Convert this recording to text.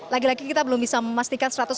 lagi lagi kita belum bisa memastikan